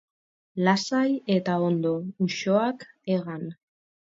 Lasai eta ondo, usoak hegan.